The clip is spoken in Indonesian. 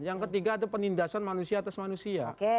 yang ketiga ada penindasan manusia atas manusia